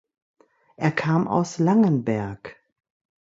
Er kam aus Langenberg.